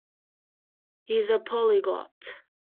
He is a polyglot.